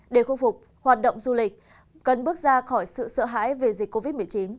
để khôi phục hoạt động du lịch cần bước ra khỏi sự sợ hãi về dịch covid một mươi chín